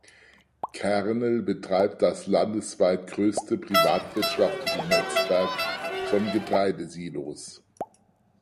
Kernel betreibt das landesweit größte privatwirtschaftliche Netzwerk von Getreidesilos.